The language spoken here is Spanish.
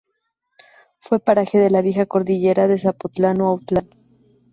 Fue paraje de la vieja cordillera de Zapotlán o Autlán.